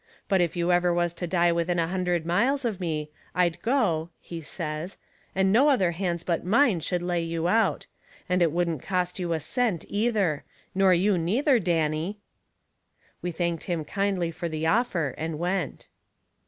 But if you ever was to die within a hundred miles of me, I'd go," he says, "and no other hands but mine should lay you out. And it wouldn't cost you a cent, either. Nor you neither, Danny." We thanked him kindly fur the offer, and went.